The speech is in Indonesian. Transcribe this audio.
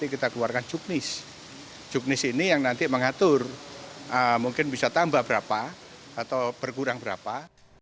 kita keluarkan juknis juknis ini yang nanti mengatur mungkin bisa tambah berapa atau berkurang berapa